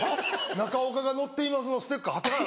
「中岡が乗っています」のステッカー貼っとかな。